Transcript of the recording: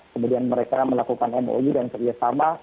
kemudian mereka melakukan mou dan kerjasama